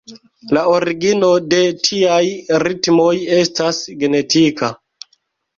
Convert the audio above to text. La origino de tiaj ritmoj estas genetika.